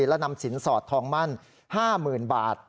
และนำสินสอดทองมั่น๕๐๐๐บาท